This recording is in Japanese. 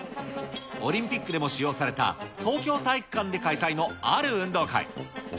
オリンピックでも使用された東京体育館で開催のある運動会。